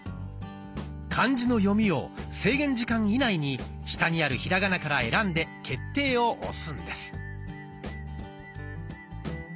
漢字の読みを制限時間以内に下にあるひらがなから選んで「決定」を押すんです。